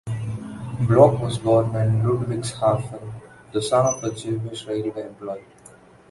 Bloch was born in Ludwigshafen, the son of a Jewish railway-employee.